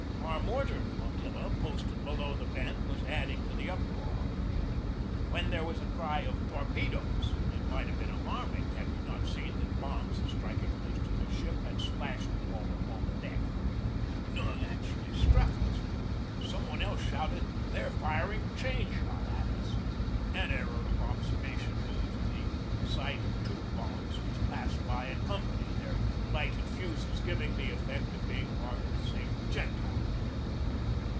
Our mortar flotilla posted below the bend was adding to the up 92 GEORGE DEWEY roar. When there was a cry of "Torpedoes!" it might have been alarming had we not seen that bombs striking close to the ship had splashed the water upon the deck. None actually struck us. Some one else shouted, "They're firing chain shot at us!" an error of observation due to the sight of two bombs which passed by in company, their lighted fuses giving the effect of being part of the same pro jectile.